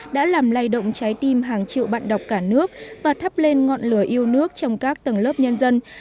đã làm lay động trái tim hàng triệu bạn đọc cả nước và thắp lên ngọn lửa yêu nước trong các tầng lớp nhân dân